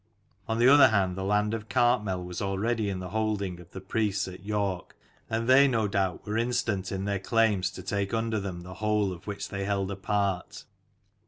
On the other hand, the land of Cartmel was already in the holding of the priests at York, and they no doubt were instant in their claims to take under them the whole of which they held a part.